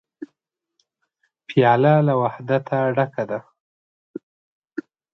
پیاله له وحدته ډکه ده.